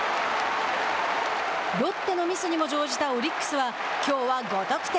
ロッテのミスにも乗じたオリックスは、きょうは５得点。